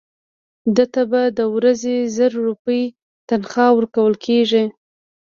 ده ته به د ورځې زر روپۍ تنخوا ورکول کېږي.